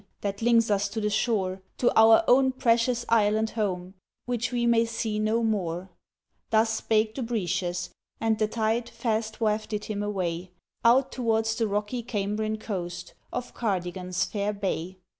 That links us to the shore— To our own precious Island home Which we may see no more!" Thus spake Dubritius; and the tide Fast wafted him away, Out t'wards the rocky Cambrian coast Of Cardigan's fair bay.